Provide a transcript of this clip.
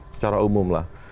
secara umum lah